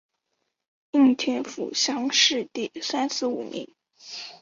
应天府乡试第三十五名。